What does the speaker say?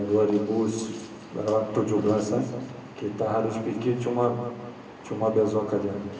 kita harus pikir cuma besok saja